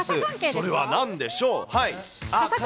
それはなんでしょう。